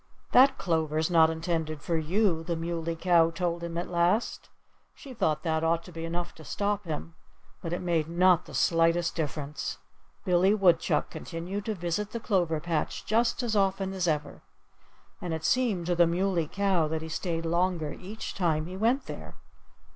"That clover's not intended for you," the Muley Cow told him at last. She thought that ought to be enough to stop him. But it made not the slightest difference. Billy Woodchuck continued to visit the clover patch just as often as ever. And it seemed to the Muley Cow that he stayed longer each time he went there.